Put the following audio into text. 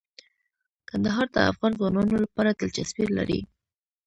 کندهار د افغان ځوانانو لپاره دلچسپي لري.